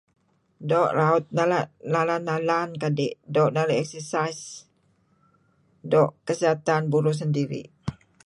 Do' raut nalan nalan kadi do' narih exercise do' kesihatan burur sendiri